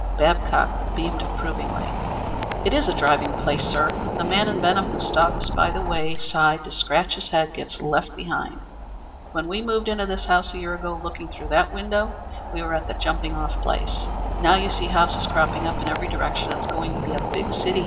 Babcock beamed approvingly. "It's a driving place, sir. The man in Benham who stops by the way side to scratch his head gets left behind. When we moved into this house a year ago looking through that window we were at the jumping off place; now you see houses cropping up in every direction. It's going to be a big city.